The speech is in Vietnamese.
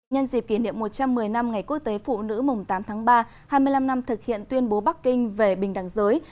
nhân dịp kỷ niệm một trăm một mươi năm ngày quốc tế phụ nữ mùng tám tháng ba hai mươi năm năm thực hiện tuyên bố bắc kinh về bình đẳng giới